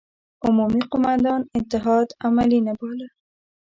عمومي قوماندان اتحاد عملي نه باله.